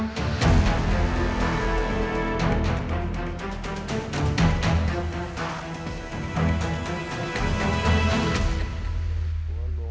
น้ำหอมอะไรวะน้ำหอมอะไรวะ